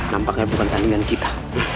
nampaknya bukan tandingan kita